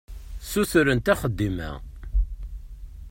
Ssutrent axeddim-a.